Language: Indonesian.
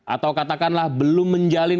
atau katakanlah belum menjalin